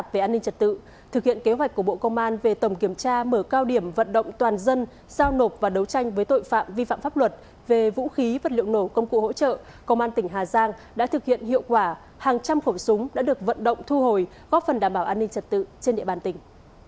đã thực hiện hiệu quả hàng trăm khẩu súng đã được vận động thu hồi góp phần đảm bảo an ninh trật tự trên địa bàn tỉnh